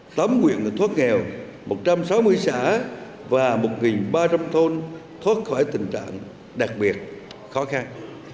tóm nguyện thuốc nghèo một trăm sáu mươi xã và một ba trăm linh thôn thuốc khỏi tình trạng đặc biệt khó khăn